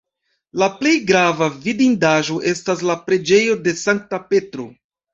La plej grava vidindaĵo estas la preĝejo de Sankta Petro.